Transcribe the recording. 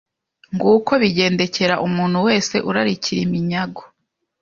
Nguko bigendekera umuntu wese urarikira iminyago